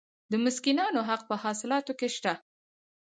د مسکینانو حق په حاصلاتو کې شته.